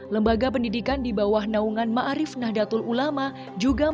lembaga pendidikan di bawah naungan ma arif nahdatul ulama juga menggelar pawai maulid di alun alun singapura